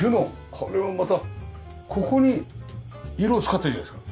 これもまたここに色を使ってるじゃないですか。